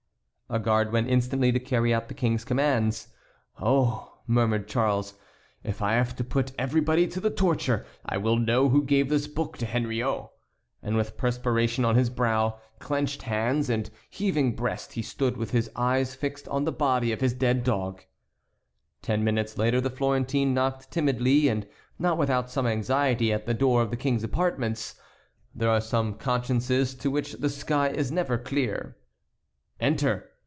A guard went instantly to carry out the King's commands. "Oh!" murmured Charles, "if I have to put everybody to the torture, I will know who gave this book to Henriot;" and with perspiration on his brow, clenched hands, and heaving breast, he stood with his eyes fixed on the body of his dead dog. Ten minutes later the Florentine knocked timidly and not without some anxiety at the door of the King's apartments. There are some consciences to which the sky is never clear. "Enter!"